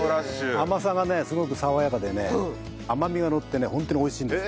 甘さがねすごく爽やかでね甘みがのってねホントに美味しいんです。